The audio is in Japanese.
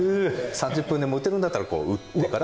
３０分でも打てるんだったらこう打ってから。